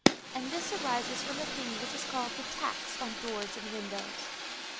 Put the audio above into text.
And this arises from a thing which is called the tax on doors and windows.